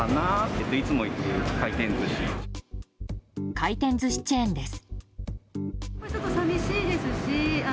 回転寿司チェーンです。